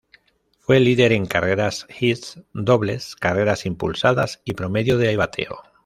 Fue líder en carreras, hits, dobles, carreras impulsadas y promedio de bateo.